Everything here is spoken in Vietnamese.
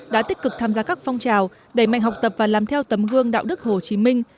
đã tích cực tham gia các phong trào đẩy mạnh học tập và làm theo tấm gương đạo đức hồ chí minh